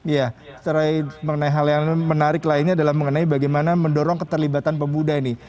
ya mengenai hal yang menarik lainnya adalah mengenai bagaimana mendorong keterlibatan pemuda ini